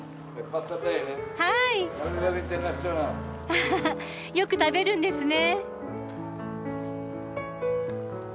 あははよく食べるんですね。